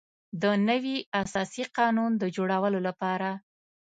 د نوي اساسي قانون د جوړولو لپاره.